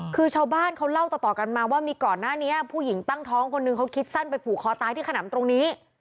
คือชาวบ้านเขาเล่าต่อกันมาว่ามีก่อนหน้านี้ผู้หญิงตั้งท้องคนนึงเขาคิดสั้นไปผูกคอตายที่ขนำตรงนี้